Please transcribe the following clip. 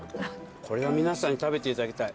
これは皆さんに食べていただきたい。